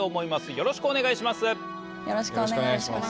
よろしくお願いします。